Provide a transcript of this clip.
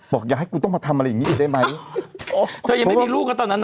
อย่าให้กูต้องมาทำอะไรอย่างงี้อีกได้ไหมโอ้เธอยังไม่มีลูกนะตอนนั้น